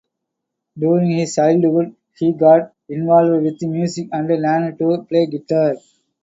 During his childhood he got involved with music and learned to play guitar.